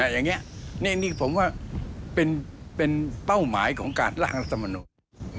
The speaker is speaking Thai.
อย่างนี้นี่ผมว่าเป็นเป้าหมายของการล่างรัฐมนูล